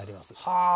はあ！